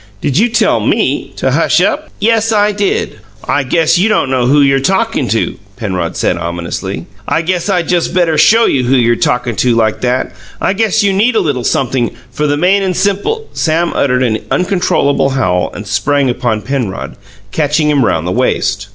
"Did you tell ME to hush up?" "Yes, I did!" "I guess you don't know who you're talkin' to," Penrod said ominously. "I guess I just better show you who you're talkin' to like that. I guess you need a little sumpthing, for the main and simple " Sam uttered an uncontrollable howl and sprang upon Penrod, catching him round the waist.